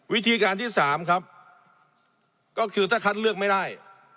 วิธีการที่สามครับก็คือถ้าคัดเลือกไม่ได้